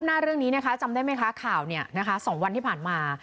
หน้าเรื่องนี้นะคะจำได้ไหมคะข่าวเนี่ยนะคะ๒วันที่ผ่านมา